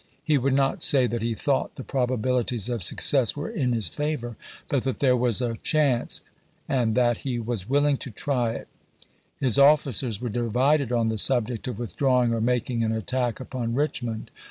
He would not say that he thought the probabilities of success were in his favor, but that voi.xi.. there was "a chance," and that he was "willing to Part III .,, pp. 337, 338. try it," His officers were divided on the subject of withdrawing or making an attack upon Richmond.